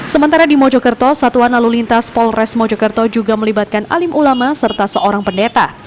sementara di mojokerto satuan lalu lintas polres mojokerto juga melibatkan alim ulama serta seorang pendeta